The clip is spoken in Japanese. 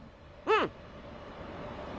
うん！